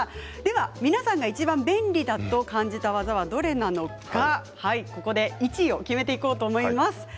では皆さんが、いちばん便利だと感じた技はどれなのか１位を決めていこうと思います。